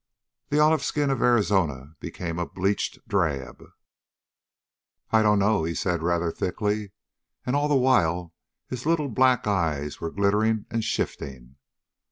The olive skin of Arizona became a bleached drab. "I dunno," he said rather thickly, and all the while his little black eyes were glittering and shifting.